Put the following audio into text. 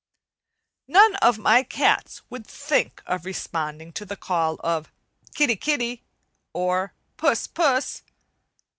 None of my cats would think of responding to the call of "Kitty, Kitty," or "Puss, Puss."